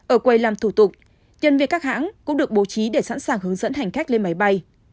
ở quầy làm thủ tục nhân viên các hãng cũng được bố trí để sẵn sàng hướng dẫn hành khách lên máy bay